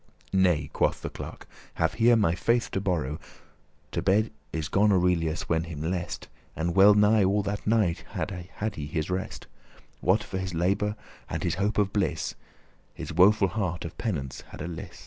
"Nay," quoth the clerk, *"have here my faith to borrow."* *I pledge my To bed is gone Aurelius when him lest, faith on it* And well nigh all that night he had his rest, What for his labour, and his hope of bliss, His woeful heart *of penance had a liss.